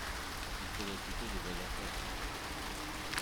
Il faudrait plutôt de vrais emplois